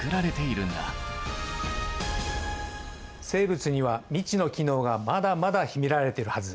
生物には未知の機能がまだまだ秘められてるはず。